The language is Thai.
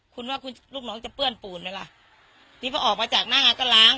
คุณว่าคุณลูกน้องจะเปื้อนปูนไหมล่ะนี่พอออกมาจากหน้างานก็ล้าง